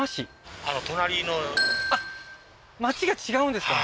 あっ町が違うんですか？